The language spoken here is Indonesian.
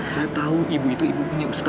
saya tau ibu itu ibu punya ustadz farhan